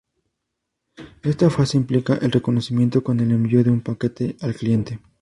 Esta fase implica el reconocimiento con el envío de un paquete al cliente.